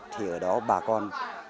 thì ở đó bà con đều có thể tìm hiểu